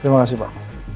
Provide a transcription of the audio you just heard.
terima kasih pak